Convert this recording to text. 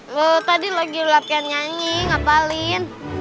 lu tadi lagi lapian nyanyi ngapalin